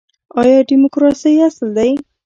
دا د ډیموکراسۍ اصل دی.